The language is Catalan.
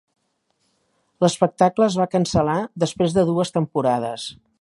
L'espectacle es va cancel·lar després de dues temporades.